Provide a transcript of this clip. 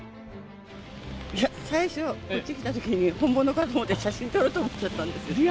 いや、最初こっち来たときに本物かと思って、写真撮ろうと思っちゃったんですよ。